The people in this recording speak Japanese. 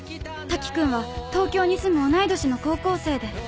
瀧くんは東京に住む同い年の高校生で。